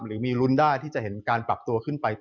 หรือมีลุ้นได้ที่จะเห็นการปรับตัวขึ้นไป